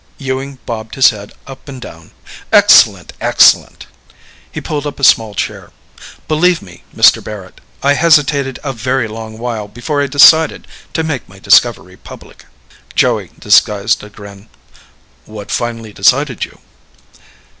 Ewing bobbed his head up and down. "Excellent. Excellent." He pulled up a small chair. "Believe me, Mr. Barrett, I hesitated a very long while before I decided to make my discovery public." Joey disguised a grin. "What finally decided you?"